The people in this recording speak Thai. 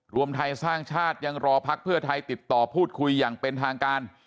รวมไทยสร้างชาติยังรอพักเพื่อไทยติดต่อพูดคุยอย่างเป็นทางการ